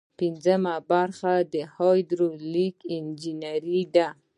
پنځمه برخه د هایدرولیک انجنیری ده.